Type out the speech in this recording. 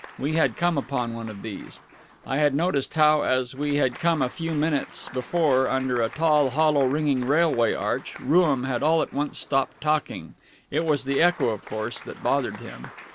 We had come upon one of these. (I had noticed how, as we had come a few minutes before under a tall hollow ringing railway arch, Rooum had all at once stopped talking it was the echo, of course, that bothered him.)